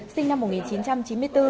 sinh năm một nghìn chín trăm chín mươi bốn